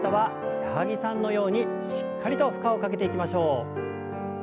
矢作さんのようにしっかりと負荷をかけていきましょう。